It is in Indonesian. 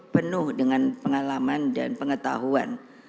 penuh dengan pengalaman dan pengetahuan